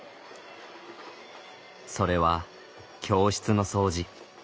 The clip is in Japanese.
それは教室の掃除。